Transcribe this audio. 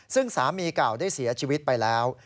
ซึ่งสามีเก่าได้เสียชีวิตไปแล้ว